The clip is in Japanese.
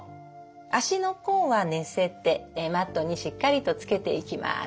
足の甲は寝せてマットにしっかりとつけていきます。